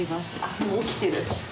もう起きてる。